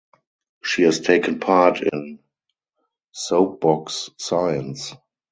She has taken part in Soapbox Science.